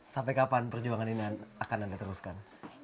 sampai kapan perjuangan ini akan anda teruskan